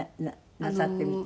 なさってみて。